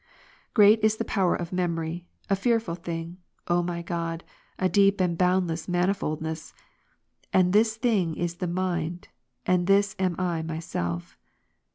Great is the power of memory, a fearful thing, my God, a deep and boundless manifoldness; andthis thing is the mind, andthisam I myself.